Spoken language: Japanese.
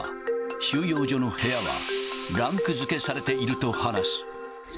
収容所の部屋はランク付けされていると話す。